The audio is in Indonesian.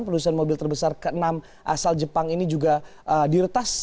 produsen mobil terbesar ke enam asal jepang ini juga diretas